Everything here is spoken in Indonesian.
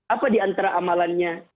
apa di antara amalannya